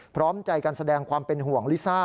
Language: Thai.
พร้อมใจกันแสดงความเป็นห่วงลิซ่า